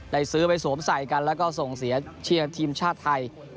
ซื้อไปสวมใส่กันแล้วก็ส่งเสียเชียร์ทีมชาติไทย